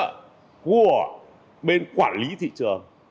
đề nghị sự hỗ trợ của bên quản lý thị trường